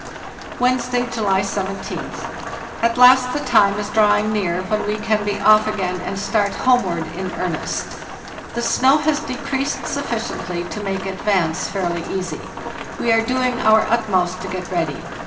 "Wednesday, July 17th. At last the time is drawing 314 PARTHIESL NMWORTTHT near when we can be off again and start homeward in earnest. The snow has decreased sufficiently to make advance fairly easy. We are doing our utmost to get ready.